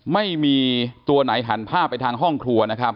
ไม่มีตัวไหนหันภาพไปทางห้องครัว